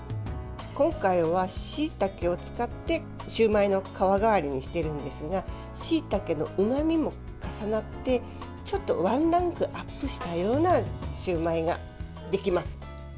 今回は、しいたけを使ってシューマイの皮代わりにしているんですがしいたけのうまみも重なってちょっとワンランクアップしたようなシューマイができます。